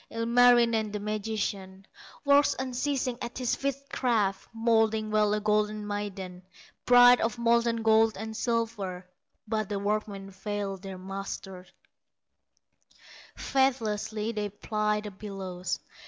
Ilmarinen, the magician, Works unceasing at his witchcraft, Moulding well a golden maiden, Bride of molten gold and silver; But the workmen fail their master, Faithlessly they ply the bellows.